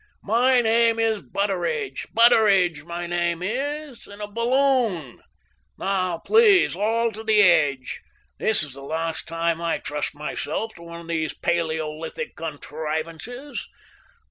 My name is Butteridge. Butteridge, my name is in a balloon. Now please, all on to the edge. This is the last time I trust myself to one of these paleolithic contrivances.